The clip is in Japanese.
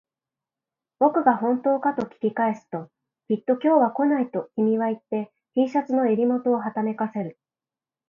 僕が本当かと聞き返すと、きっと今日は来ないと君は言って、Ｔ シャツの襟元をはためかせる